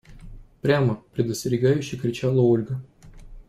– Прямо! – предостерегающе кричала Ольга.